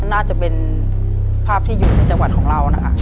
น่าจะเป็นภาพที่อยู่ในจังหวัดของเรานะคะ